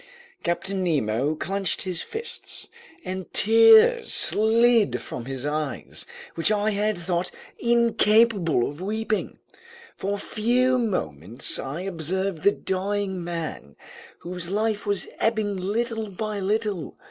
Captain Nemo clenched his fists, and tears slid from his eyes, which I had thought incapable of weeping. For a few moments more I observed the dying man, whose life was ebbing little by little.